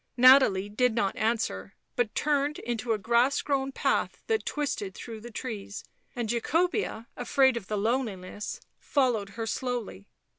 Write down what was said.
Nathalie did not answer; but turned into a grass grown path that twisted through the trees, and Jacobea, afraid of the loneliness, followed her slowly.